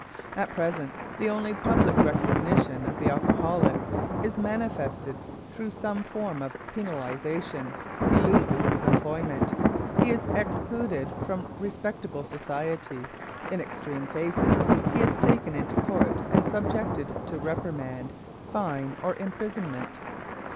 At present the only public recognition of the alcoholic is manifested through some form of penalization. He loses his employment, he is excluded from respectable society, in extreme cases he is taken into court and subjected to reprimand, fine, or imprisonment.